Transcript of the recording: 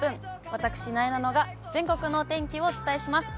私、なえなのが全国のお天気をお伝えします。